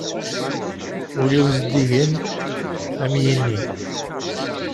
Ul-iw zeddigen ad am-yinni.